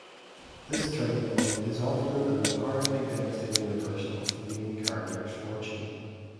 This turning point is often an apparently devastating reversal of the main character's fortune.